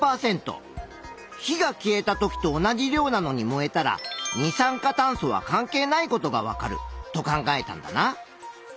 火が消えた時と同じ量なのに燃えたら二酸化炭素は関係ないことがわかると考えたんだな。